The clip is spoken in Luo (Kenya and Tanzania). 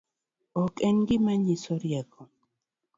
Ok en gima nyiso riek